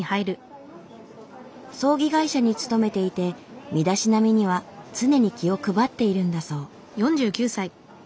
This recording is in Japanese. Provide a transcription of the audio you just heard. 葬儀会社に勤めていて身だしなみには常に気を配っているんだそう。